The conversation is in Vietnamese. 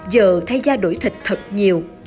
giờ thay ra đổi thịt thật nhiều